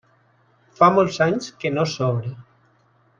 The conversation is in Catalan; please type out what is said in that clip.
Fa molts anys que no s’obre.